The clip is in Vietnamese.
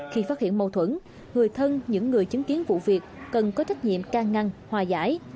khi phát hiện mâu thuẫn người thân những người chứng kiến vụ việc cần có trách nhiệm can ngăn hòa giải